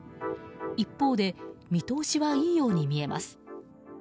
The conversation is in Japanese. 一方で見通しはいいように見えます。